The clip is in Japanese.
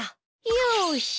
よし。